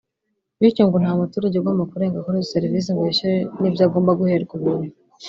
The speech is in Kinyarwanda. Bityo ngo nta muturage ugomba kurenga kuri izo serivisi ngo yishyure n’ibyo agomba guherwa ubuntu